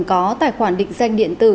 có tài khoản định danh điện tử